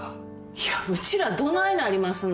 いやうちらどないなりますの？